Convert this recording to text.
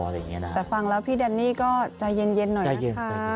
แต่ฟังแล้วพี่แดนนี่ก็ใจเย็นหน่อยนะคะ